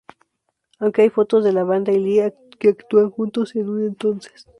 Aunque hay fotos de la banda y Lee que actúan juntos en un entonces.